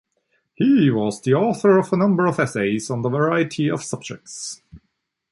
He was the author of a number of essays on a variety of subjects.